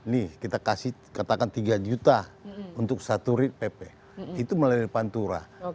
nih kita kasih katakan tiga juta untuk satu rit pp itu melalui pantura